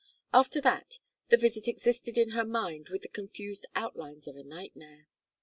After that the visit existed in her mind with the confused outlines of a nightmare.